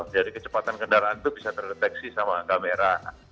kecepatan kendaraan itu bisa terdeteksi sama kamera